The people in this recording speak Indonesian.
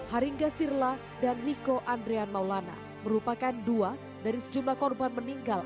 haringga sirla dan riko andrean maulana merupakan dua dari sejumlah korban meninggal